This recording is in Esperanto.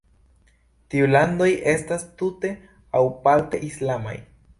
Tiu landoj estas tute aŭ parte islamaj.